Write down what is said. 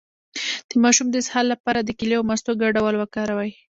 د ماشوم د اسهال لپاره د کیلې او مستو ګډول وکاروئ